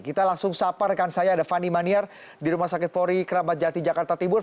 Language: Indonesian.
kita langsung sapa rekan saya ada fani maniar di rumah sakit polri kerabat jati jakarta timur